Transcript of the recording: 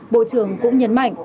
bộ trưởng cũng nhấn mạnh